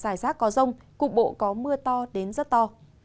giải rác có rông cục bộ có mưa to đến rất to